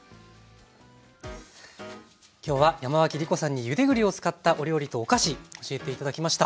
今日は山脇りこさんにゆで栗を使ったお料理とお菓子教えて頂きました。